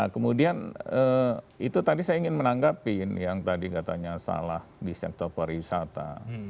kemudian itu tadi saya ingin menanggapi yang tadi katanya salah di sektor pariwisata